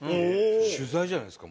取材じゃないですか。